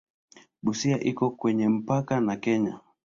Busia iko kwenye mpaka na Kenya.